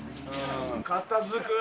片づくー。